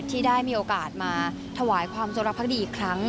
ที่ได้มีโอกาสมาถวายความจรักภักดีอีกครั้ง